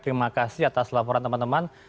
terima kasih atas laporan teman teman